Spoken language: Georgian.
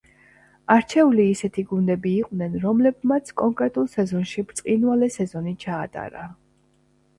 არჩეული ისეთი გუნდები იყვნენ, რომლებმაც კონკრეტულ სეზონში ბრწყინვალე სეზონი ჩაატარა.